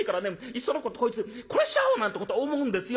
いっそのことこいつ殺しちゃおうなんてこと思うんですよ」。